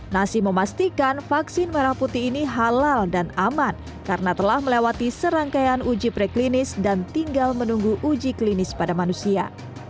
nasi memastikan vaksin merah putih ini halal dan aman karena telah melewati serangkaian uji preklinis dan tinggal menunggu uji klinis pada manusia